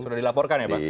sudah dilaporkan ya pak